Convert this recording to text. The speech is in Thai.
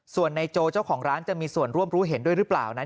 ส่วนในโจเจ้าของร้านจะมีส่วนร่วมรู้เห็นด้วยหรือเปล่านั้น